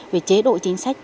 về chế độ chính sách